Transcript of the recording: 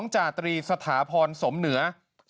จาตรีสถาพรสมเหนือ